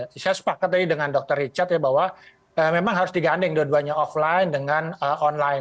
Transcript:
saya sepakat tadi dengan dr richard ya bahwa memang harus digandeng dua duanya offline dengan online